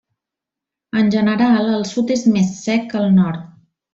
En general, el sud és més sec que el nord.